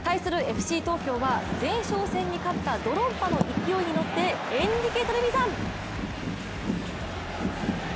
ＦＣ東京は前哨戦に勝ったドロンパの勢いに乗ってエンリケ・トレヴィザン！